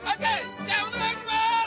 じゃあお願いします！